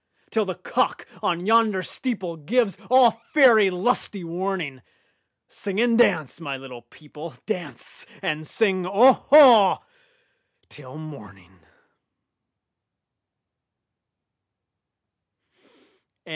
Till the cock on yonder steepleGives all faery lusty warning, Sing and dance, my little people,—Dance and sing "Oho" till morning!